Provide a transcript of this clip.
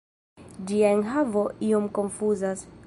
Ĝia enhavo iom konfuzas.